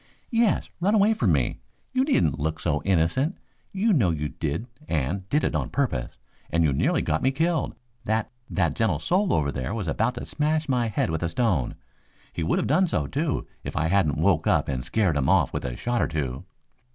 "Yes, run away from me. You needn't look so innocent. You know you did and you did it on purpose, and you nearly got me killed. That that gentle soul over there was about to smash my head with a stone. He would have done so, too, if I hadn't woke up and scared him off with a shot or two."